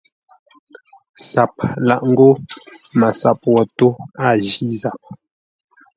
SAP laʼ ńgó MASAP wo tó, a jí zap.